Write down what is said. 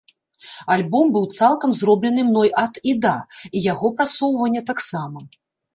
Альбом быў цалкам зроблены мной ад і да, і яго прасоўванне таксама.